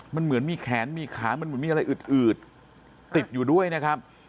มันเหมือนมีแขนมีขามันเหมือนมีอะไรอืดติดอยู่ด้วยนะครับ